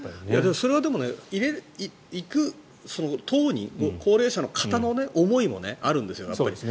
それはでも、行く当人高齢者の方の思いもあるんですやっぱり。